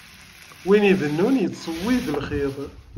Win ibennun yettṣewwib lxiḍ.